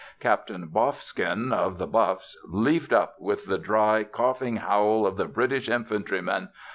Captain Boffskin, of the Buffs, leapt up with the dry coughing howl of the British infantryman.